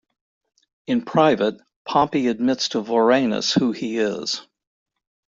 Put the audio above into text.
In private, Pompey admits to Vorenus who he is.